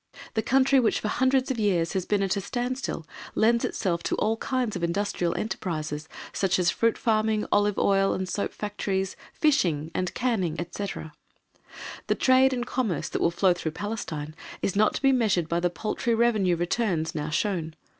The country which for hundreds of years has been at a standstill, lends itself to all kinds of industrial enterprises, such as fruit farming, olive oil and soap factories, fishing and canning, etc. The trade and commerce that will flow through Palestine is not to be measured by the paltry revenue returns now shown.